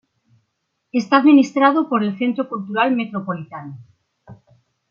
Está administrado por el Centro Cultural Metropolitano.